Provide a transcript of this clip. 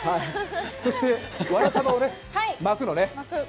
そしてわら束を巻くのね。